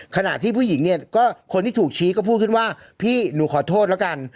ขณะที่ผู้หญิงเนี่ยก็คนที่ถูกชี้ก็พูดขึ้นว่าพี่หนูขอโทษแล้วกัน